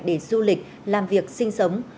để du lịch làm việc sinh sống